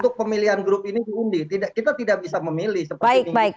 untuk pemilihan grup ini diundi kita tidak bisa memilih seperti ini